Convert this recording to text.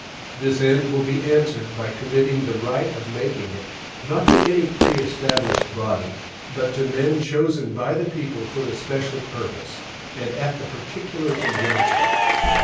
This end will be answered by committing the right of making it, not to any preestablished body, but to men chosen by the people for the special purpose, and at the particular conjuncture.